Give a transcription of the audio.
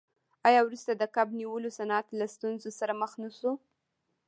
آیا وروسته د کب نیولو صنعت له ستونزو سره مخ نشو؟